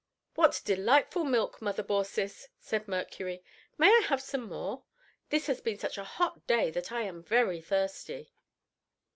"What delightful milk, Mother Baucis," said Mercury, "may I have some more? This has been such a hot day that I am very thirsty."